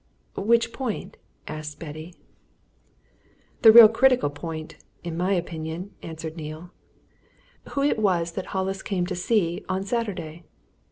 "Which point?" asked Betty. "The real critical point in my opinion," answered Neale. "Who it was that Hollis came to see on Saturday?